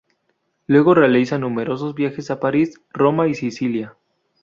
Luego realiza numerosos viajes a París, Roma y Sicilia.